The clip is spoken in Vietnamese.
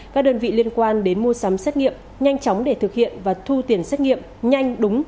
các đơn vị liên quan đến mua sắm xét nghiệm nhanh chóng để thực hiện và thu tiền xét nghiệm nhanh đúng